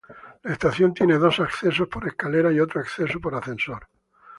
La estación tiene dos accesos por escaleras y otro acceso por ascensor.